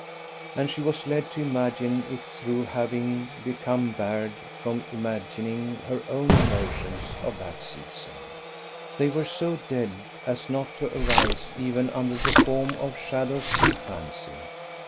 And she was led to imagine it through having become barred from imagining her own emotions of that season. They were so dead as not to arise even under the form of shadows in fancy.